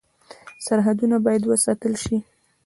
سرحدونه باید وساتل شي